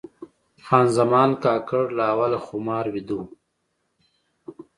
خان زمان کاکړ له اوله خمار ویده و.